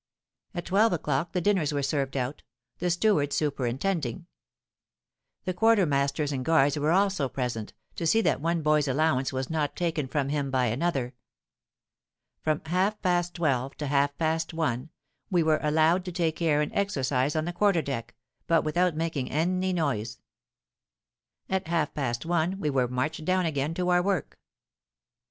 At twelve o'clock the dinners were served out, the steward superintending. The quartermasters and guards were also present, to see that one boy's allowance was not taken from him by another. From half past twelve to half past one we were allowed to take air and exercise on the quarter deck, but without making any noise. At half past one we were marched down again to our work.